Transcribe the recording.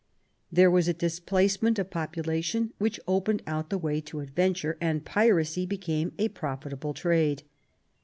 There was a displacement of population which opened out the way to adventure, and piracy became a profitable trade.